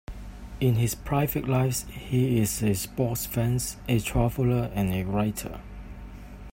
In his private life, he is a sports fan, a traveller and a writer.